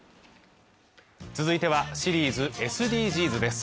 続いては「シリーズＳＤＧＳ」です